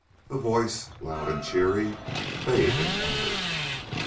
A voice, loud and cheery, bade him enter.